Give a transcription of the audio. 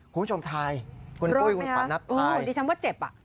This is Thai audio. คุณผู้ชมทายคุณกุ้วคุณแขวนัสทายโอ้เราจำว่าเจ็บอ่ะรอด